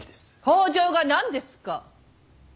北条が何ですか。